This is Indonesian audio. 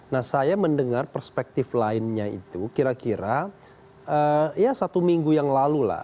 nah saya mendengar perspektif lainnya itu kira kira ya satu minggu yang lalu lah